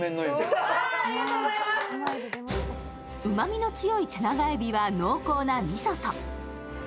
うまみの強い手長海老は濃厚なみそと。